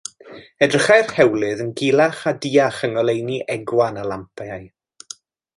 Edrychai'r heolydd yn gulach a duach yng ngoleuni egwan y lampau.